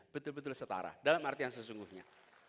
betul betul setara dalam arti yang sesungguhnya